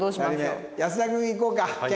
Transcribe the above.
保田君いこうか。